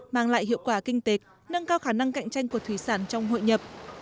mang lại hiệu quả kinh tế nâng cao khả năng cạnh tranh của thủy sản trong hội nhập